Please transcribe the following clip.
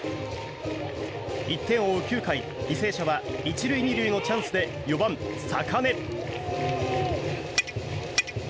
１点を追う９回、履正社は１塁２塁のチャンスで４番、坂根。